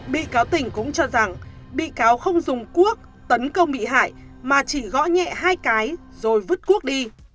bị cáo tình cũng cho rằng bị cáo không dùng cuốc tấn công bị hại mà chỉ gõ nhẹ hai cái rồi vứt quốc đi